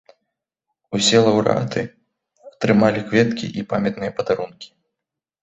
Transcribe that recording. Усе лаўрэаты атрымалі кветкі і памятныя падарункі.